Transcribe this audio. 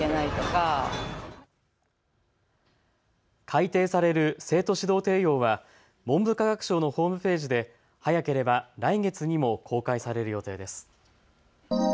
改訂される生徒指導提要は文部科学省のホームページで早ければ来月にも公開される予定です。